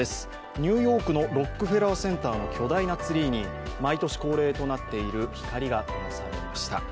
ニューヨークのロックフェラーセンターの巨大なツリーに毎年恒例となっている光がともされました。